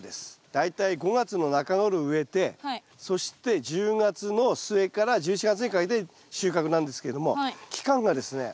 大体５月の中ごろ植えてそして１０月の末から１１月にかけて収穫なんですけれども期間がですね